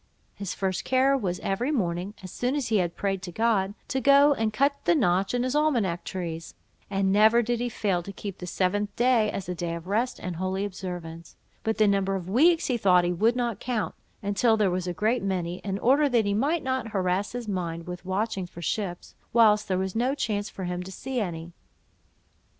His first care was every morning, as soon as he had prayed to God, to go and cut the notch in his almanack trees; and never did he fail to keep the seventh day as a day of rest and holy observance; but the number of weeks he thought he would not count, until there was a great many, in order that he might not harass his mind with watching for ships, whilst there was no chance for him to see any.